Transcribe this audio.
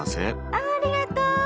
ありがとう。